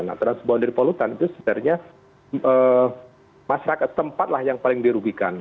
nah transboundary pollutant itu sebenarnya masyarakat tempat yang paling dirugikan